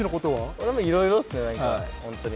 俺もいろいろっすね、本当に。